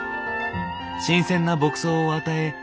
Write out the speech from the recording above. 新鮮な牧草を与え